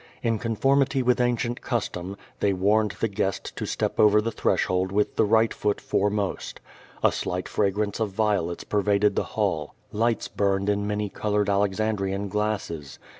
In conformity with ancient custom, they warned the guest to step over the threshold with the right foot fore most a\ slight fragrance of violets pervaded the hall; lights hurned in many colored Alexandrian glasses.